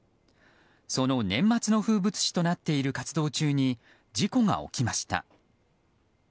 その年末の風物詩となっている活動中に事故が起きました。